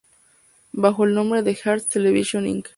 Bajo el nombre de Hearst Television, Inc.